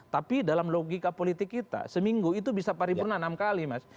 tapi dalam logika politik kita seminggu itu bisa paripurna enam kali mas